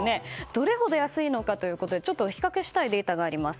どれほど安いのかということで比較したいデータがあります。